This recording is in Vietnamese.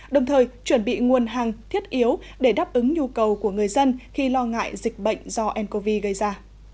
đồng thời chuẩn bị nguồn hàng thiết yếu để đáp ứng nhu cầu của người dân khi lo ngại dịch bệnh do ncov gây ra